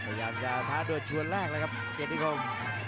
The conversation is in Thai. พยายามจะท้าโดยชวนแรกเลยครับเกียรติคม